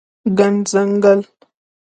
ګڼ ځنګل